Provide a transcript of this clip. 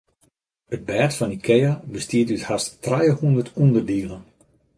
It bêd fan Ikea bestiet út hast trijehûndert ûnderdielen.